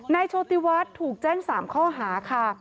โชติวัฒน์ถูกแจ้ง๓ข้อหาค่ะ